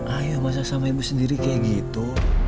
ayo masak sama ibu sendiri kayak gitu